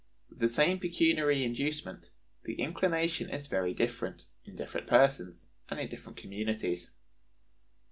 With the same pecuniary inducement, the inclination is very different, in different persons, and in different communities.